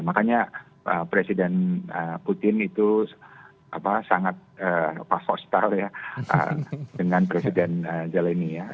makanya presiden putin itu sangat hostile dengan presiden zelenski